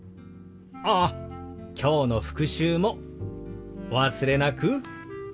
ああきょうの復習もお忘れなく。